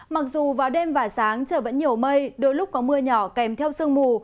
mặc dù vào đêm và sáng trời vẫn nhiều mây đôi lúc có mưa nhỏ kèm theo sương mù